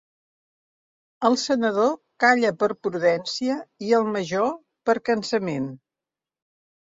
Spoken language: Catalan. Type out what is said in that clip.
El senador calla per prudència i el major per cansament.